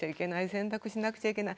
洗濯しなくちゃいけない。